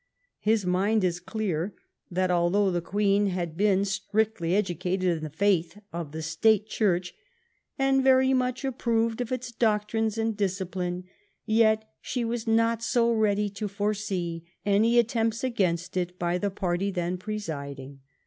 His mind is clear that, although the Queen had been strictly educated in the faith of the state Church, " and very much approved its doctrine and discipline, yet she was not so ready to foresee any at tempts against it by the party then presiding.